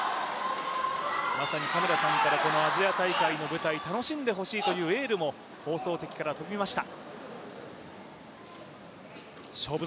まさに嘉村さんからこのアジア大会の舞台楽しんでほしいというエールも放送席から飛びました。